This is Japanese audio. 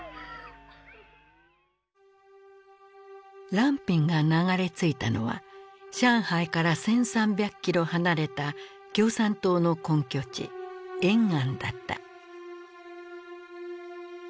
藍蘋が流れ着いたのは上海から１，３００キロ離れた共産党の根拠地延安だった。